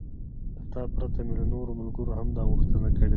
له تا پرته مې له نورو ملګرو هم دا غوښتنه کړې ده.